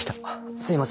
すいません。